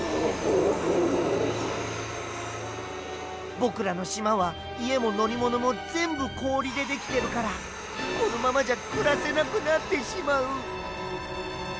ぼくらのしまはいえものりものもぜんぶこおりでできてるからこのままじゃくらせなくなってしまう。